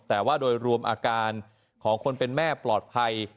แต่ว่าโดยรวมอาการของคนเป็นแม่ปลอดภัย